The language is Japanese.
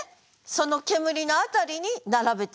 その「煙」の辺りに並べていく。